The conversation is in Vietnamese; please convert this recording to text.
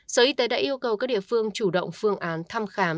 sở y tế đã yêu cầu các địa phương chủ động phương án thăm khám